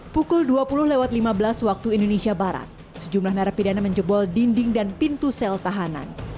pukul dua puluh lima belas waktu indonesia barat sejumlah narapidana menjebol dinding dan pintu sel tahanan